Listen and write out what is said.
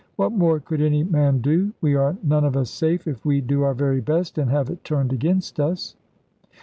What more could any man do? We are none of us safe, if we do our very best, and have it turned against us."